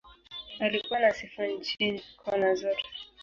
Alikuwa na sifa nchini, kona zote.